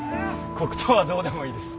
黒糖はどうでもいいです。